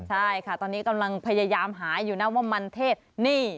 ใช่ค่ะตอนนี้กำลังพยายามหาอยู่นะว่ามันเทศนี่